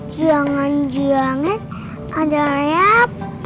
jangan jangan ada apa